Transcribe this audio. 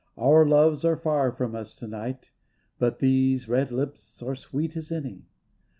Our loves are far from us to night, But these red lips are sweet as any.